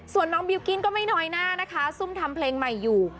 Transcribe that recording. ส่วนน้องบิลกิ้นก็ไม่น้อยหน้านะคะซุ่มทำเพลงใหม่อยู่